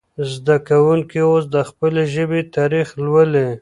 زده کوونکي اوس د خپلې ژبې تاریخ لولي.